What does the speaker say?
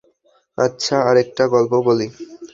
আচ্ছা, আরেকটা গল্প বলি।